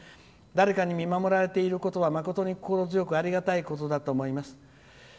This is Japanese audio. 誰かに見守られていることは誠に心強くありがたいことだと思います」。